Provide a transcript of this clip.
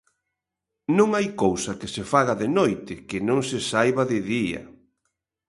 Non hai cousa que se faga de noite que non se saiba de día.